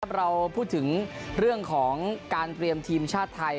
เราพูดถึงเรื่องของการเตรียมทีมชาติไทย